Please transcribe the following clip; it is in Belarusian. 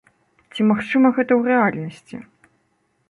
Ці магчыма гэта ў рэальнасці?